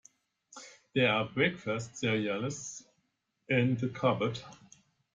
There are breakfast cereals in the cupboard.